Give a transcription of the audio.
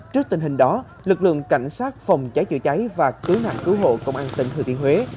trước tình hình đó lực lượng cảnh sát phòng cháy chữa cháy và cứu nạn cứu hộ công an tỉnh thừa thiên huế